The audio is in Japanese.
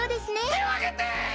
てをあげて！